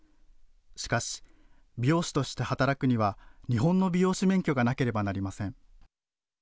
しかし、美容師として働くには日本の美容師免許がなければなりません。